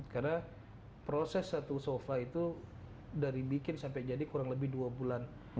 karena proses satu sofa itu dari bikin sampai jadi kurang lebih dua bulan